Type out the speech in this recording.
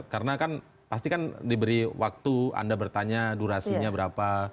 karena kan pasti kan diberi waktu anda bertanya durasinya berapa